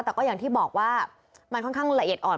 แต่ก็อย่างที่บอกว่ามันค่อนข้างละเอียดอ่อน